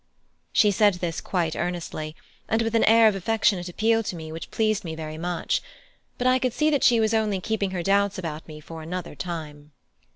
She said this quite earnestly, and with an air of affectionate appeal to me which pleased me very much; but I could see that she was only keeping her doubts about me for another time.